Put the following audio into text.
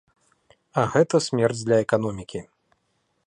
А гэта смерць для эканомікі.